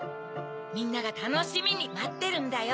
みんながたのしみにまってるんだよ。